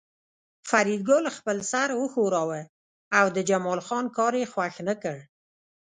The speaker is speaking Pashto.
فریدګل خپل سر وښوراوه او د جمال خان کار یې خوښ نکړ